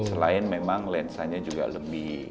selain memang lensanya juga lebih